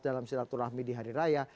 dalam silaturahmi di hari raya